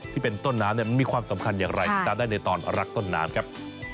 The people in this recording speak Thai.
ที่เป็นต้นน้ำมีความสำคัญอย่างไรติดตามได้ในตอนรักต้นน้ำครับ